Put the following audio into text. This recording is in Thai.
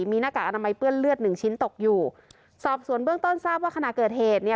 มีหน้ากากอนามัยเปื้อนเลือดหนึ่งชิ้นตกอยู่สอบสวนเบื้องต้นทราบว่าขณะเกิดเหตุเนี่ย